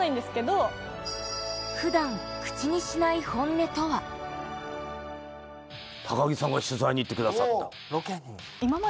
普段口にしない木さんが取材に行ってくださった。